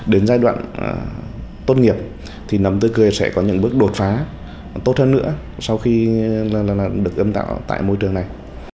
đến giai đoạn tốt nghiệp thì nấm tươi cười sẽ có những bước đột phá tốt hơn nữa sau khi được ươm tạo tại môi trường này